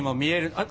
あっ！